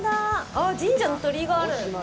あっ、神社の鳥居がある。